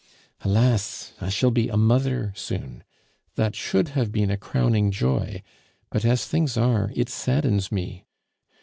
Alas! I shall be a mother soon. That should have been a crowning joy; but as things are, it saddens me.